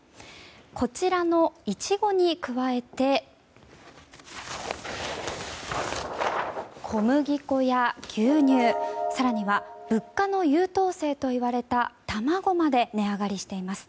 こちらのイチゴにくわえて小麦粉や牛乳更には物価の優等生といわれた卵まで値上がりしています。